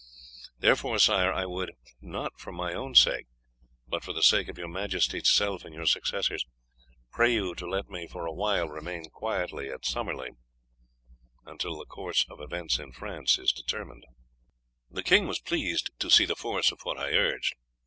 Therefore, Sire, I would, not for my own sake but for the sake of your majesty's self and your successors, pray you to let me for a while remain quietly at Summerley until the course of events in France is determined.' "The king was pleased to see the force of what I urged.